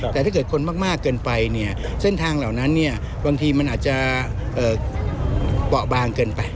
แต่ถ้าเกิดคนมากเกินไปเนี่ยเส้นทางเหล่านั้นบางทีมันอาจจะเบาะบางเกินไป